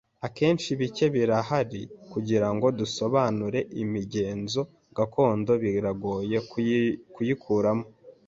Akenshi, bike birahari kugirango dusobanure imigenzo gakondo biragoye kuyikuramo